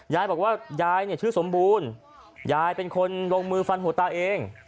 ยายบอกว่ายายเนี่ยชื่อสมบูรณ์ยายเป็นคนลงมือฟันหัวตาเอง